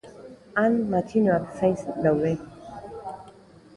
Han, matxinoak zain daude.